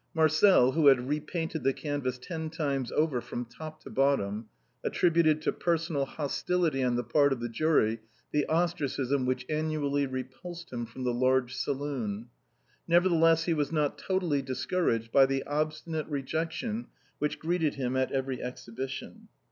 Marcel, who had repainted the canvas ten times over, from top to bottom, attributed to personal hostility on the part of the jury the ostracism which annually re pulsed him from the large saloon ; nevertheless, he was not totally discouraged by the obstinate rejection which greeted him at every exhibition.